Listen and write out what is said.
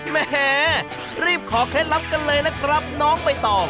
แหมรีบขอเคล็ดลับกันเลยนะครับน้องใบตอง